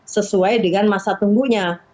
sesuai dengan masa tunggunya